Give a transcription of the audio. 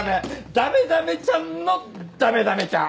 ダメダメちゃんのダメダメちゃん！